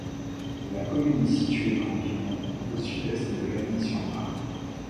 La commune est située à environ au sud-est de Lagny-sur-Marne.